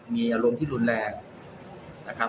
มีอารมณ์ที่รุนแรงนะครับ